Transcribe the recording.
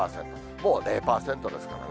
ほぼ０％ですからね。